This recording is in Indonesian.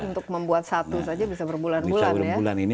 untuk membuat satu saja bisa berbulan bulan ya